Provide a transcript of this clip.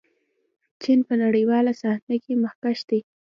چین په نړیواله صحنه کې مخکښ دی.